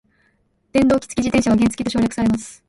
原動機付き自転車は原付と省略されます。